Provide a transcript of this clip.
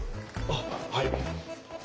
あっはい。